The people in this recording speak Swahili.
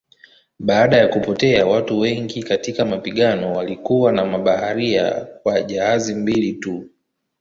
Baada ya kupotea watu wengi katika mapigano walikuwa na mabaharia kwa jahazi mbili tu.